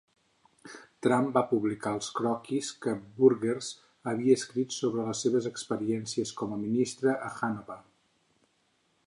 Tromp va publicar els croquis que Burgers havia escrit sobre les seves experiències com a ministre a Hannover.